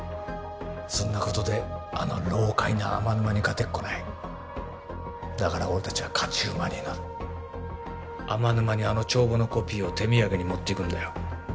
そんなことであの老獪な天沼に勝てっこないだから俺達は勝ち馬に乗る天沼にあの帳簿のコピーを手土産に持っていくんだよ